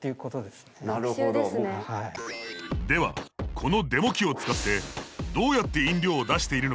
このデモ機を使ってどうやって飲料を出しているのかを見てみよう！